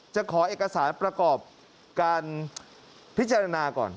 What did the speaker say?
จะขอเอกสารประกอบการพิจารณาก่อน